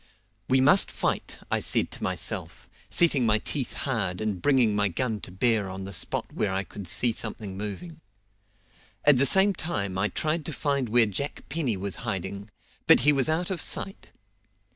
"We must fight," I said to myself, setting my teeth hard and bringing my gun to bear on the spot where I could see something moving. At the same time I tried to find where Jack Penny was hiding, but he was out of sight.